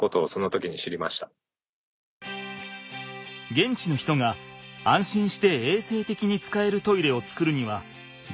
現地の人が安心して衛生的に使えるトイレを作るにはどうすればいいのか。